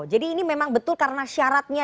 jadi ini memang betul karena syaratnya